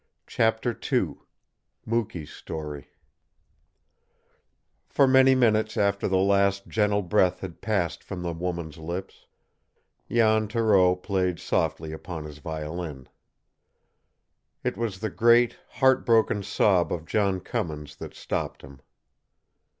CHAPTER II MUKEE'S STORY For many minutes after the last gentle breath had passed from the woman's lips, Jan Thoreau played softly upon his violin. It was the great, heart broken sob of John Cummins that stopped him.